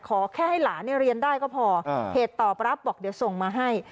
ขอแค่ให้หลานเรียนได้ก็พอเพจตอบรับบอกเดี๋ยวส่งมาให้